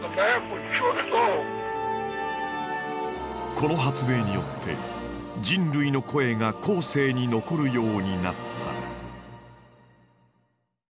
この発明によって人類の声が後世に残るようになった。